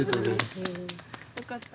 よかった。